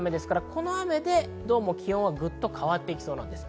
この雨で気温はグッと変わっていきそうです。